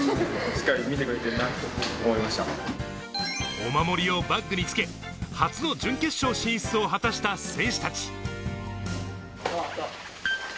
お守りをバッグにつけ、初の準決勝進出を果たした選手達。